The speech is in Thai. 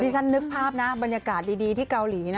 ฉันนึกภาพนะบรรยากาศดีที่เกาหลีนะ